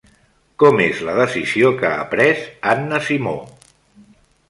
Com és la decisió que ha pres Anna Simó?